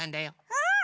うん！